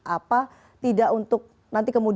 apa tidak untuk